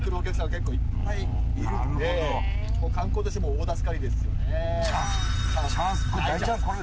結構いっぱいいるんでもう観光としても大助かりですよねチャンスですね